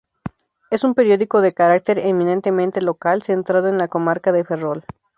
Es un periódico de carácter eminentemente local, centrado en la comarca de Ferrol.